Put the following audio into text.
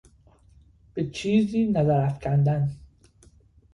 به چیزی نظر افکندن